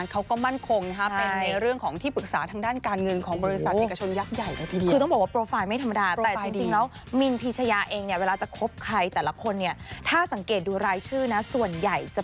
เพราะว่าคุณโอ๊ตเองเรื่องหน้าที่การงานเค้าก็มั่นคงนะฮะ